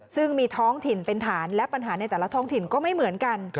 ซึ่งมีท้องถิ่นเป็นฐานและปัญหาในแต่ละท้องถิ่นก็ไม่เหมือนกัน